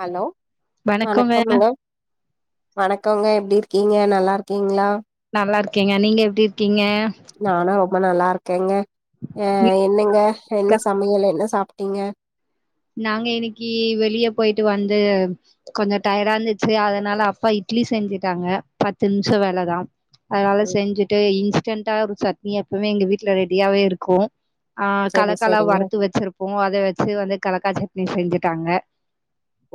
Hello வணக்கங்க வணக்கம்ங்க வணக்கம்ங்க எப்படி இரு கீங்க நல்லா இருக்கீங்களா நல்லா இருக்கேங்க நீங்க எப்படி இருக்கீங்க நானா ரொம்ப நல்லா இருக்கேங்க ஆ என்னங்க வீட்ல என்ன சமையல் என்ன சாப் ட்டீங்க நாங்க இன்னைக்கு வெளியே போயிட்டு வந்து கொஞ்ச டயடா இருந்துச்சு அதனால அப்பா இட்லி செஞ்சுட்டாங்க பத்து நிமிஷ வேலதா அதனால ம் செஞ்சுட்டு இன்ஸ்டன்டா ஒரு சட்னி எப்பமே எங்க வீட்டுல ரெடியாவே இருக்கு ஆ செரி கலக்கலா செரிங்க வறுத்து வச்சிருப்போ அத வச்சு வந்து கலக்கா சட்னி செஞ்சுட்டாங்க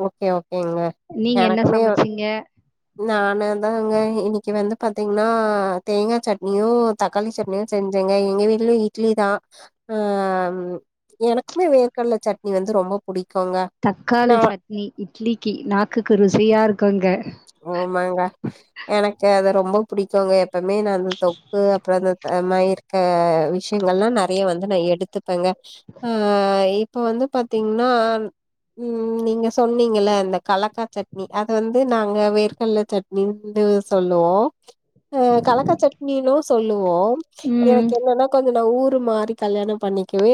ஓகே ஓகேங்க நீங்க என்ன எனக்குமே சமச்சீங்க நானு தான்ங்க இன்னைக்கு வந்து பாத்தீங்கன்னா தேங்கா சட்னியு தக்காளி சட்னியு செஞ்சேங்க எங்க வீட்லயு இட்லி தா ஆ எனக்குமே வேர்கர்கடல சட்னி வந்து ரொம்ப பிடிக்கும்ங்க ந நீ இட்லிக்கு நாக்குக்கு ருசியா இரு ஆமாங்க எனக்கு அத ரொம்ப பிடிக்கும்ங்க எப்பவுமே நா ரொம்ப புடிக்குங்க எப்பவுமே நா அந்த தொக்கு அப்புறம் அந்த மாயி இருக்க விஷயங்கள்ல்லா நிறைய வந்து வந்து நா எடுத்துப்பேங்க ஆ இப்ப வந்து பாத்தீங்கன்னா உம் நீங்க சொன்னீங்க இந்த கலக்கா சட்னி அது வந்து நாங்க வேர்க்கல்ல சட்னிந்து சொல்லுவோ அ கலக்க சட்னினு சொல்லுவோ ம் எனக்கு என்னன்னா கொஞ்ச ஊர் மாரி கல்யாண பண்ணிக்கவே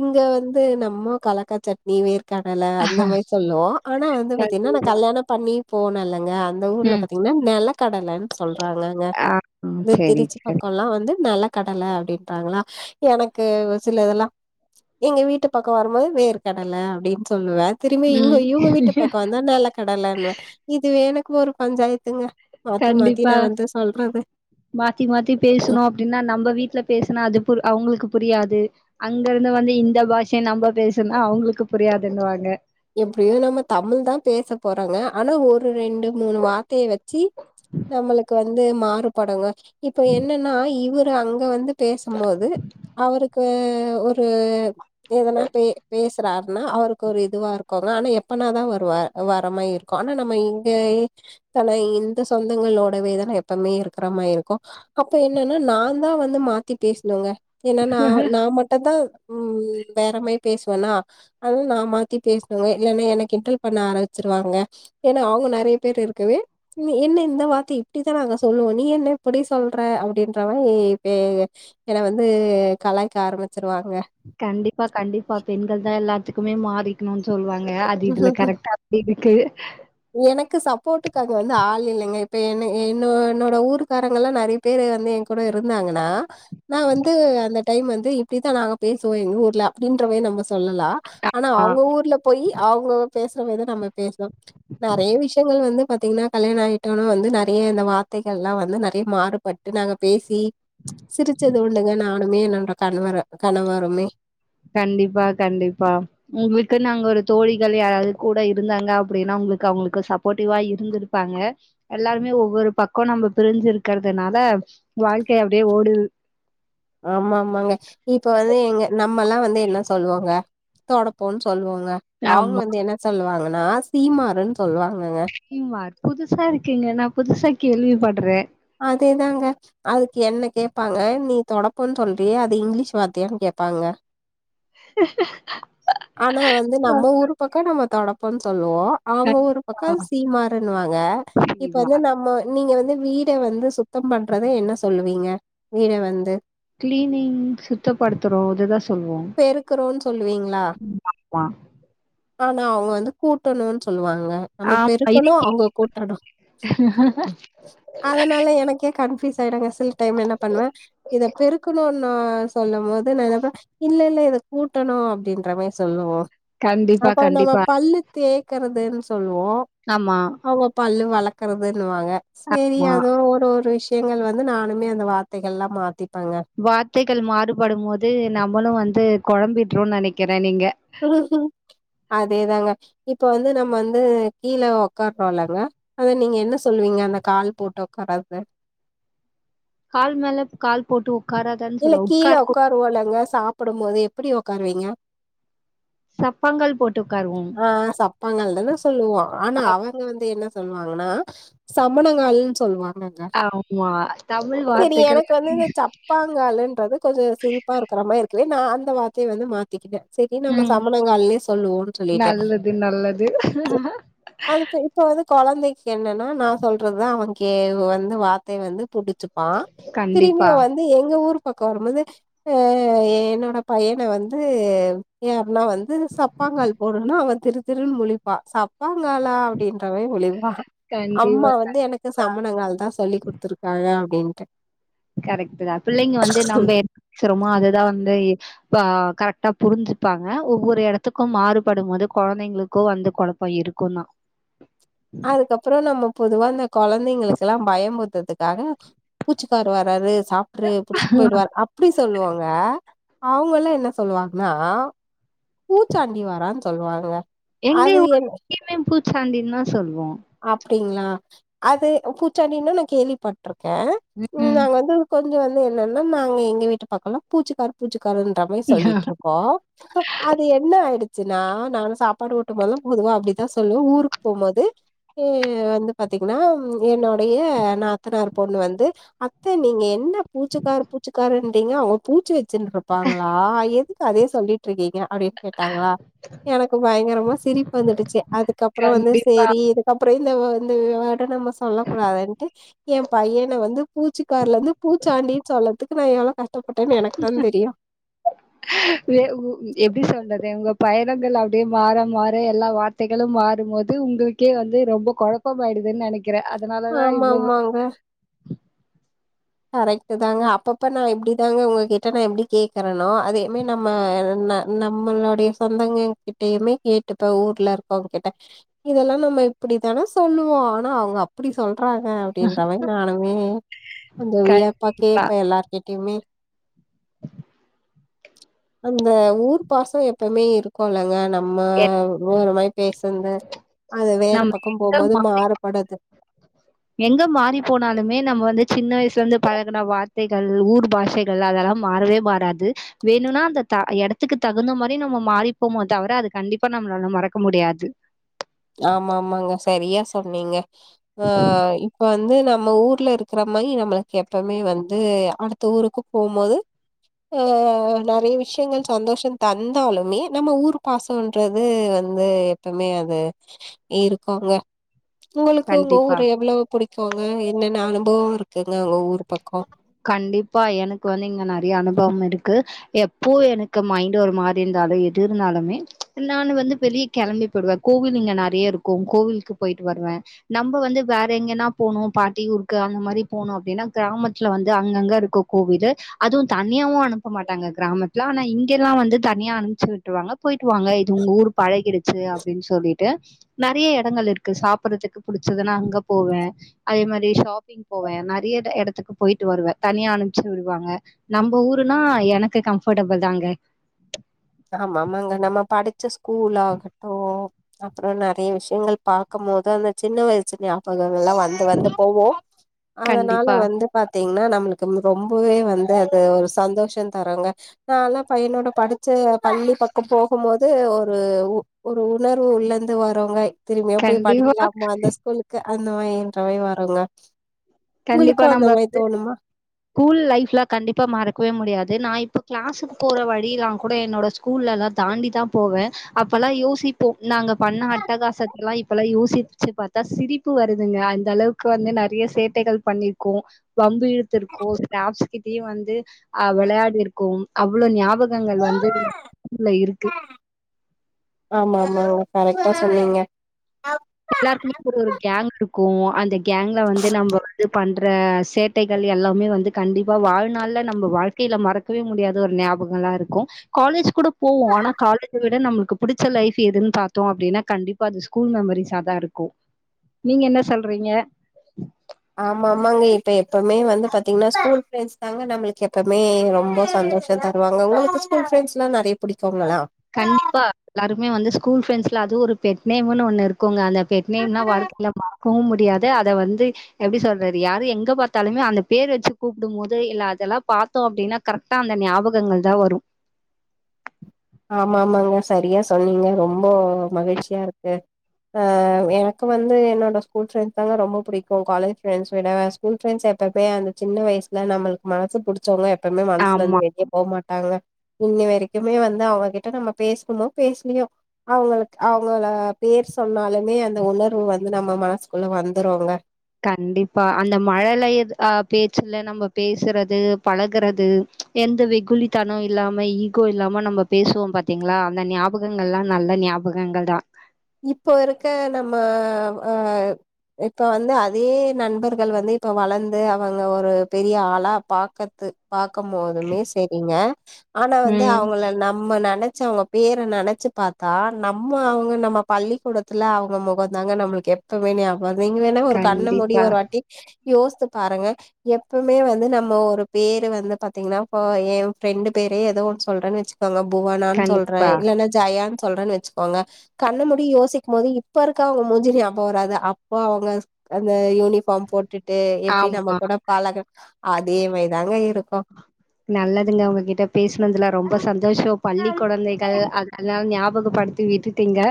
இங்க வந்து நம்ம கலக்கா சட்னி வேர் கடல அந்த மாதிரி சொல்லுவோ ஆனா வந்து பாதீங்கன்ன நா கண்டிப்பா. கல்யாண பண்ணி போனே இல்லங்க அந்த ஊர்ல ம் பாத்தீங்கன்னா நெ ல கடலன்னு சொல்றாங்க இங்க ஆ ம் இந்த செரி திருச்சி செரி பக்கம்ல்லா வந்து நெலக் கடல அப்படின்றாங்களா எனக்கு சில தெல்லா எங்க வீட்டு பக்க வரும்போது வேர் கடல அப்படின்னு சொல்லுவே திரும்பி இங்க ம் இவங்க வீட்டு பக்கம் வந்தா நெல கடலன்வ இதுவே எனக் ஒரு பஞ்சாயத்துங்க மாத்தி மாத்தி கண்டிப்பா நா வந்து சொல்றது மாத்தி மாத்தி பேசணு அப்படின்னா நம்ம வீட்டுல பேசனா அது அவங்களுக்கு புரியாது அங்க இருந்து வந்து இந்த பாஷைய நம்ம பேசுனா அவங்களுக்கு புரியாதுன்னுவாங்க எப்படியோ நம்ம தமிழ் தா பேச போறாங்க ஆனா ஒரு ரெண்டு மூணு வார்த்தைய வச்சு நம்மளுக்கு வந்து மா படங்க இப்ப என்னன்னா இவரு அங்க வந்து பேசும்போது அவருக்கு ஒரு எதனா பே பேசுறாருன்னா அவருக்கு ஒரு இதுவா இருக் குகங்க ஆனா எப்பனாதா வர வ வரமாய் இருக்கு ஆனா நம்ம இங்க தன இந்த சொந்தங்கள் லோட வேதன எப்பமே இருக்கிற மாரி இருக்கு அப்ப என்னன்னா நா தா வந்து மாத்தி பேசனங்க ஏன்னா நா நா மட்டு தா உம் வேற மாரி பேசுவன்னா அத நா மாத்தி பேச இல்லனா என்ன கிண்டல் பண்ண ஆரம்பிச்சிருவாங்க ஏன்னா அவங்க நிறைய பேரு இருக்குவே என்ன இந்த பார்த்து இப்படித்தா நாங்க சொல்லுவோ நீ என்ன எப்படி சொல்ற அப்படின்ற மாரி இப்ப என வந்து கலைாயக்க ஆரம்பிச்சிருவாங்க கண்டிப்பா கண்டிப்பா பெண்கள் தா எல்லாத்துக்குமே மாறிக்கணும்னு சொல்லுவாங் அது இதுல கரெக்டா அப்படி இருக்கு எனக்கு சப்போர்ட்டுக்காக வந்து ஆள் இல்லங்க இப்ப என் என்ன என்னோட ஊருக்காரங்கல்லா நிறைய பேர் வந்து கூட இருந்தாங்கன்னா நா வந்து அந்த டைம் வந்து இப்படித்தா நாங்க பேசுவோ எங்க ஊர்ல அப்படின்றவ நம்ம சொல்லலா ஆனா ஆ அவங்க ஊர்ல போய் அவங்க பேசுற மாரி தா நம்ம பேசுறோ நிறைய விஷயங்கள் வந்து பாத்தீங்கன்னா கல்யாண ஆகிட்டோனா வந்து நிறைய இந்த வார்த்தைகள் எல்லா வந்து நிறைய மாறுபட்டு நாங்க பேசி சிரிச்சது ஒண்ங்க நானுமே என்னோட கணவர கணவருமே கண்டிப்பா கண்டிப்பா உங்களுக்குன்னு அங்க ஒரு தோழிகள் யாராவது கூட இருந்தாங்க அப்படின்னா அவங்களுக்கு சப்போர்ட்டிவா இருந்திருப்பாங்க எல்லாருமே ஒவ்வொரு பக்கம் நம்ம பிரிஞ்சிருக்கிறதுனால [unintelligible] வாழ்க்கையே அப்டியே ஓடுது ஆமா ஆமாங்க இப்ப வந்து எங்க நம்மல்லா வந்து என்ன சொல்லுவோங்க தொடப்போன் சொல்வோங்க அவுங்க ஆமா வந்து என்ன சொல்லுவாங்கன்னா சீமாருன் சீமாரு புதுசா இருக்குங்க நா புதுசா கேள்வி படுறேன் அதேதாங்க அதுக்கு என்ன கேட்பாங்க நீ தொடப்பன்னு சொல்றியே அது இங்கிலீஷ் வார்த்தயானு கேப் பாங்க ஆனா வந்து நம்ம ஊரு பக்க நம்ம தொடப்போன்னு சொல்வோ வோ அவுங்க ஊரு பக்க ஆ சீமாருன்வாங்க இப்ப தெரியுமா வந்து நம்ம நீங்க வந்து வீட் ட வந்து சுத்தம் பண்றத என்ன சொல்லுவீங்க வீட வந்து கிளீனிங் சுத்தப்படுத்துறோ இததான் பெருக்குறோன் சொல்லுவீங்ளா மா ஆனா அவுங்க வந்து கூட்டணுன் சொல்வாங்க க நம்ம ஆமா இது பெருக்கணு அவுங்க கூட்டணு அதனால எனக்கே கன்ஃப்யூஸ் ஸாயிடுங்க சில டைம்ல என்ன பண்ணுவ இத பெருக்கணு நா சொல்லம் போது நா என்னப் இல்ல இல்ல இத கூட்டணு அப்டின்றமேரி சொல்லுவோ கண்டிப்பா, அப்ப நம்ம கண்டிப்பா. பல்லுத்தேக்கறது னு சொல்லுவோ ஆமா, அவுங்க பல்லு வளக்கறது னுவாங்க செரி ஆமா. அதோ ஒரு ஒரு விஷயங்கள் வந்து நானுமே அந்த வார்த்தைகள் எல்லாம் மாத்தி வார்த்தைகள் மாறுபடும் போது நம்பளும் வந்து கொழம்பிட்றோன் நெனக்கிறேன் நீங்க [unintelligible] அதேதாங்க இப்ப வந்து நம்ம ந்து கீழ உக்காறோலங்க அத நீங்க என்ன சொல்லுவீங்க க அந்த கால் போட்டு உக்காறது கால் மேல கால் போட்டு ஒக் இல்ல கீழ உக்காருவோலங்க சாப்புடும் போது எப்புடி உக்காருவீங்க சப்பங்கள் போட்டு உட்காருவோம். ஆ சப்பாங்கால் தான சொல்லுவோ ஆனா அவுங்க வந்து என்ன சொல்வாங்கன்னா சம்மணங்கால்னு சொல்லுவா [unintelligible] ஆமா. தமிழ் செரி வார்த்தைகள் எனக்கு வந்து இந்த சப் ப்பாங்காலுன்றது கொஞ்ச சிரிப்பா இருக்கிற மாரி இருக்குது நா அந்த வார்த்தய வந்து மாத்திக்கிட்டே செரி நம்ப ம் சம்மணங்கால்னே சொல்லுவோம்னு சொல்லிட்டேன் து கொழந்தைக்கி என்னன்னா நா சொல்றதுதா அவன்கே வந்து வார்த்தைய வந்து புடிச்சு பா கண்டிப்பா, திரும்பியு வந்து எங்க ஊர் பக்கோ வரும்போது அ என்னோட பையன வந்து எ அப் ண்ணா வந்து சப்பாங்கால் போடுனா அவ திரு திருன் முளிப்பா சப்பாங்காலா அப்படின்ற மாரி முழிப்பா அம்மா கண்டிப்பா. வந்து எனக்கு சம்மணங்கால் தான் சொல்லி் குடுத்துருக்காங்க அப்டின்ட்டு கரெக்ட் தான் பிள்ளைங்க வந்து நம்ப என்ன பேசுறோமோ அததான் வந்து இப்பா கரெக்டா புரிஞ்சுப்பாங்க ஒவ்வொரு எடத்துக்கும் மாறுபடும்போது கொழந்தைங்களுக்கு வந்து கொழப்ப இருக் இருக்கூ தான் அதுக்கப்புறம் நம்ம பொதுவா அந்த கொழ குழந்தைங்களுக்குல்லாம் பயம்முத்துறதுக்காக பூச்சிக்காரு வராரு சாப்ட்ரு புடிச்சிட்டு போயிடுவார் அப்டி சொல்லுவாங்க அவுங்கல்லா என்ன சொல்லுவாங்ன்னா பூச்சாண்டி வரான் சொல்வாங்க எங்கயு [inaudible] எங்கயுமே பூச்சாண்டின்தா சொல்லுவோம் அப்டிங்ளா அது பூச்சாண்டின்னு நான் கேள்விப்பட்ரு க ம். நாங்க வந்து கொஞ்ச வந்து என்னன்னா நாங்க எங்க வீட்டு பக்கல்லா பூச்சிக்காரு பூச்சிக் காருன்றமாரி சொல்லிட்ருப்போ அது என்ன ஆயிடுச் சுனா நானும் சாப்பாடு ஊட்டும் போதுலா பொதுவா அப்டிதான் சொல்லு ஊருக்கு போம் போது து வந்து பாத்தீங்ன்னா என்னோடைய நாத்தனார் பொண்ணு வந்து அ த்த நீங்க என்ன பூச்சுக்காரு பூச்சுக்காருன்றீங்க அவ பூச்சி வச்சுன்ருப்பாங்களா எது அதே சொல்லிட்ருக்கீங்க அப்டின் கேட்டாங்களா எனக்கு பயங்கரமா சிரிப்பு வந்துடுச்சு அதுக்கப்புறோ வந்து கண்டிப்பா. சேரி இது அப்புறோ இந்தவ இந்த விவாட நம்ம சொல்ல கூடாதுன்ட்டு எம் பையன வந்து பூச்சிக்கார்லந்து பூச்சாண்டின் சொல்லதுக்கு நா எவ்ளோ க வே உ எப்டி சொல்றது உங்க பயணங்கள் அப்டியே மாற மாற எல்லா வார்த்தைகளும் மாறும்போது உங்குளுக்கே வந்து ரொம்ப கொழ ப்ப மாயிடுதுன் நெனைக்கிறே அதனாலதா ஆமா, இவ்வளவு கரெக்ட் தாங்க அப்பப்ப நா இப்டி தாங்க உங்ககிட்ட நா எப்டி கேக்கறேனோ அதேமே நம்ம ந நம்மளுடைய சொந்தங்க கிட்டயுமே கேட்டுப்ப ஊர்ல இருக்கவங் கிட்ட இதெல்லா நம்ம இப்பிடிதான சொல்லுவோ ஆனா அவுங்க அப்பிடி சொ ல்றாங்க அப்டின்றமாரி நானுமே கொஞ்சோ வியப்பா கண்டிப்பா. கேப்பே எல்லார்கிட் யிமே அந்த ஊர் பாசோ எப்பமே இருக்குல்லங்க எ நம்ம [unintelligible] பேசன்து அது வேற நம்ம பக்கம் எங்க போம்போது மா மாறுபடது எங்க மாறி போனாலுமே நம்ம வந்து சின்ன வய்சு லந்து பழகன வார்த்தைகள் ஊர் பாஷைகள் அதெல்லாம் மாறவே மாறாது வேணுனா அந்த த எட த்துக்கு தகுந்த மாரி நம்ம மாறிப்போமோ தவர அது கண்டிப்பா நம்மளால மறக்க முடியாது ஆமாமாங்க சரியா சொன்னீங்க அ இ ப்ப வந்து நம்ம ஊர்ல இருக்ற மாரி நம்மளுக்கு எப்பமே வந்து அடுத்த ஊருக்கு போம்மோது அ நறைய விஷ்யங்கள் சந்தோஷம் தந்தாலுமே நம்ம ஊர் பாசோன்றது வந்து எப்பமே அது இருக்குங்க உங்களுக்கு உங்க கண்டிப்பா ஊரு எவ்ளோ புடி போங்க என்னென்ன அனுபவோ இருக்குங்க உங்க ஊர் பக்கோ கண்டிப்பா எனக்கு வந்து இங்க நறைய அனுபவம் இருக்கு எப்போ எனக்கு மைண்டு ஒரு மாரி இந்த தாலு எது இருந்தாலுமே நானு வந்து வெளிய கெளம்பி போய்டுவே கோவில் இங்க நறையருக்கு கோவில்க்கு போயி ட்டு வருவே நம்ப வந்து வேற எங்கயன்னா போணு பாட்டி ஊருக்கு அந்த மாரி போணு அப்டின்னா கிராம ட்ல வந்து அங்கங்க இருக்கு கோவிலு அதுவு தனியாவு அனுப்ப மாட்டாங்க கிராமத்ல ஆனா இங்கெல்லா வந்து த னியா அனுப்ச்சு விட்ருவாங்க போயிட்டு வாங்க இது உங்க ஊரு பழகிடுச்சு அப்டின் சொல்லிட்டு நறைய எடங்கள் இ க்கு சாப்பட்றதுக்கு புடிச்சதுனா அங்க போவே அதே மாரி ஷாப்பிங் போவே நறைய ட எட போயிட்டு வருவே தனியா அனுப்ச்சு விடுவாங்க நம்ப ஊருனா எனக்கு கம்ஃபடபிள் தாங்க ஆமாமாங்க நம்ம படிச்ச ஸ்கூல் ஆகட்டு அப்புறோ நறைய விஷ்யங்கள் பாக்க மோது அந்த சின்ன வயசு நியாபகோ ல்லா வந்து வந்து போவு அதனால கண்டிப்பா வந்து பா த்தீங்ன்னா நம்மளுக்கு ம் ரொம்பவே வந்து அது ஒரு சந்தோஷோ தருங்க நால்லா பையனோட படு ச்ச பள்ளி பக்கம் போகும்மோது ஒரு ஒரு உணர்வு உள்ளந்து வருங்கய் திரும்மியு போய் கண்டிப்பா படிக்லாமா அந்த ஸ்கூலுக்கு அந்த மாரின்றமாய் வருங்க கண்டிப்பா உங்களுக்கு நம்ப அந்த மாரி வந்து தோணுமா கூல் லைஃப்லா கண்டிப்பா மறக்கவே முடியா து நா இப்ப கிளாஸுக்கு போற வழியில்லாங் கூட என்னோட ஸ்கூல்லெல்லா தாண்டி தா போவே அப்பெல்லா யோசி ப்போ நாங்க பண்ண அட்டகாசத்தலா இப்பலா யோசிச்சு பாத்தா சிரிப்பு வருதுங்க அந்த அளவுக்கு வ நறைய சே ட்டைகள் பண்ணிர்க்கோ வம்பு இழுத்துருக்கோ ஸ்டாஃப்ஸ் கிட்டியு வந்து அ வெளையாடிருக்கோம் அவ்ளோ ஞாபகங்கள் வந்து [inaudible] இருக்கு ஆமா ஆமாங்க கரெக்டா சொன்னீங்க எல்லாருக்குமே ஒரு ஒரு கேங் இருக்கு அந்த கேங்ல வந்து நம்ப வந்து பண் ற சேட்டைகள் எல்லாமே வந்து கண்டிப்பா வாழ்நாள்ல நம்ப வாழ்க்கைல மறக்கவே முடியாத ஒரு ஞாபக ங்ளா இருக்கு காலேஜ் கூட போவோ ஆனா காலேஜ விட நம்ளுக்கு புடிச்ச லைஃப் எதுன் பாத்தோ அப்டினா கண்டி ப்பா அது ஸ்கூல் மெமரிஸ் தா இருக்கு நீங்க என்ன சொல்றீங்க ஆமா ஆமாங்க இப்ப எப்பமே வந்து பாத்தீங்ன்னா ஸ்கூல் ஃப்ரெண்ட்ஸ் தாங்க நம்மளுக்கு எப்பமே ரொம்ப சந்தோஷந் தருவாங்க உங்குளுக்கு கூல் ஃப்ரெண்ஸ்ல்லா நறைய புடிக் கண்டிப்பா எல்லாருமே வந்து ஸ்கூல் ஃப்ரெண்ட்ஸ் ல அது ஒரு பெட் நேம்னு ஒண்ணு இருக்குங்க அந்த பெட் நேம்லா வாழ்க்கைல மறக்கவும் முடியாது அத வந்து எ எப்டி சொல்றது யாரு எங்க பாத்தாலுமே அந்த பேரு வெச்சு கூப்டும் போது இல்ல அதெல்லா பாத்தோ அப்டினா கரெக்ட்டா அந்த ஞா பகங்கள்தா வரு ஆமா ஆமாங்க சரியா சொன்னிங்க ரொம்ப மகிழ்ச்சியா இருக்கு ஆ எனக்கு வந்து என்னோட ஸ்கூல் ஃப்ரண்ட்ஸ் தாங்க ரொம்ப புடிக்கு காலேஜ் ஃப்ரெண்ட்ஸ் விட ஸ்கூல் ஃப்ரெண்ட்ஸ் அப்பவே அந்த சின்ன வயசுல நம்மளுக்கு மனசு புடிச்சவங்க எப்பமே ஆமா மனசுலந்து வெளிய போக மாட்டாங்க இன்னி வரைக்குமே வந் து அவங்ககிட்ட நம்ம பேசுணுமோ பேசுலியோ அவங்களுக்கு அவங்கள பேர் சொன்னாலுமே அந்த உ ணர்வு வந்து நம்ம மனசுக்குள்ள வந்துருங்க கண்டிப்பா அந்த மழலை அ பேச்சுல நம்ம பேசுறது பழகுறது எந்த வெகுளித்தன இல்லாம ஈகோ இல்லாம நம்ம பேசுவோம் பாத்திங்களா அந்த ஞாபகங்கல்லா நல்ல ஞாபகங்கள்தா இப்ப இருக்க நம்ம ஆ இப்ப வந்து அதே நண்பர்கள் வந்து இப்ப வளந்து அவங்க ஒரு பெரிய ஆளா பாக்கது பா க்கம் போதுமே செரிங்க ஆனா வந்து ம். அவங்கள நம்ம நெனைச்சு அவங்க பேர நெனைச்சு பாத்தா நம்ம அவங்க நம்ம பள்ளிக்கூடத்துல அவங்க முகந்தாங்க நம்மளுக்கு எப்பவுமே ஞாபக நீங்க வேணா ஒரு கண்ண மூடி கண்டிப்பா, ஒரு வாட்டி யோசிச்சு பாருங்க எப்பமே வந்து நம்ம ஒரு பேரு வந்து பாத்திங்கனா எ ஃப்ரெண்டு பேர் ஏதோ ஒன்னு சொல்றன் வெச்சுக்கோங்க புவனான்னு சொல்ற கண்டிப்பா. இல்லன்னா ஜெயான் சொல்றன் வெச்சுக்கோங்க கண்ண மூடிட்டு யோசிக்கும் போது இப்ப இருக்க அவங்க மூஞ்சி ஞாபக வராது அப்ப அவங்க அந்த யூனிஃபார்ம் போட்டுட் டு எப்படி நம்ம ஆமா. கூட பழக அதே மாரிதாங்க இருக்கு நல்லதுங்க உங்ககிட்ட பேசுனதுல ரொம்ப சந்தோஷ பள்ளி குழந்தைகள் அத அத ஞாபகப்படுத்தி விட்டுட்டீங்க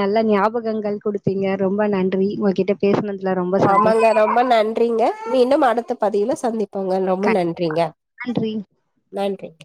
நல்ல ஞாபகங்கள் கொடுத்திங்க ரொம்ப நன்றி உங்ககிட்ட பேசினதுல ஆமாங்க ரொம்ப நன்றிங்க மீண்டும் அடுத்த பதிவுல சந்திப்போங்க ரொம்ப கண்டிப்பா நன்றிங்க நன்றி நன்றிங்க